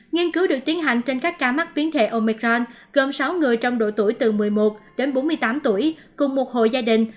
nghiên cứu được tiến hành trên các ca mắc biến thể omicron gồm sáu người trong độ tuổi từ một mươi một đến bốn mươi tám tuổi cùng một hội gia đình